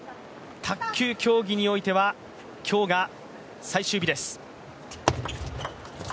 卓球競技においては今日が最終日です。